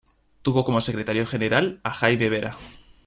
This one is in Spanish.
Tuvo como secretario general a Jaime Vera.